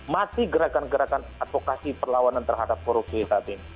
mati gerakan gerakan advokasi perlawanan terhadap korupsi kita